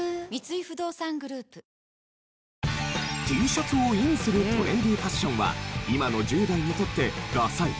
Ｔシャツをインするトレンディファッションは今の１０代にとってダサい？